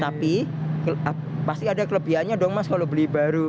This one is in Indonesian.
tapi pasti ada kelebihannya dong mas kalau beli baru